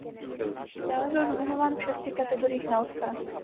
Dále byl nominován v šesti kategoriích na Oscara.